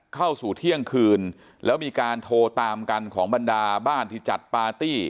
เข้าสู่เที่ยงคืนแล้วมีการโทรตามกันของบรรดาบ้านที่จัดปาร์ตี้